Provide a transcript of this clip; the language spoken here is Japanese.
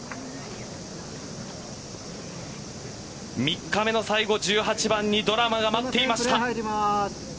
３日目の最後１８番にドラマが待っていました。